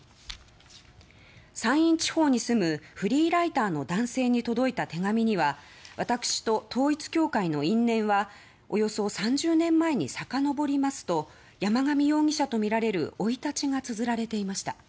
山陰地方に住むフリーライターの男性に届いた手紙には私と統一教会の因縁はおよそ３０年前にさかのぼりますと山上容疑者とみられる生い立ちがつづられていました。